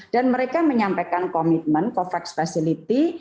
dan mereka menyampaikan komitmen covax facility